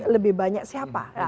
lebih banyak siapa